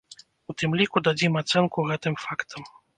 У тым ліку дадзім ацэнку гэтым фактам.